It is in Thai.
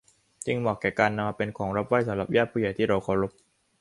จึงเหมาะแก่การนำมาเป็นของรับไหว้สำหรับญาติผู้ใหญ่ที่เราเคารพ